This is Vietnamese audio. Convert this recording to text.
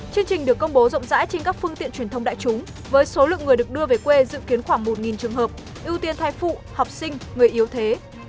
chương trình được công bố rộng rãi trên các phương tiện truyền thông đại chúng với số lượng người được đưa về quê dự kiến khoảng một trường hợp ưu tiên thai phụ học sinh người yếu thế